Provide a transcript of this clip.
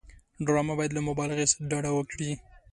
ډرامه باید له مبالغې ډډه وکړي